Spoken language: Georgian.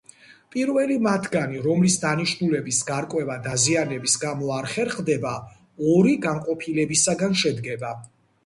პირელი მათგანი, რომლის დანიშნულების გარკვევა დაზიანების გამო არ ხერხდება, ორი განყოფილებისაგან შედგება.